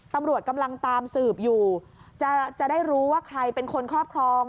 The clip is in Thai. ตำรวจกำลังตามสืบอยู่จะได้รู้ว่าใครเป็นคนครอบครอง